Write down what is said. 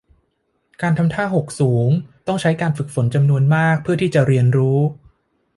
การทำท่าหกสูงต้องใช้การฝึกฝนจำนวนมากเพื่อที่จะเรียนรู้